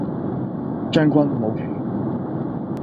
將軍冇棋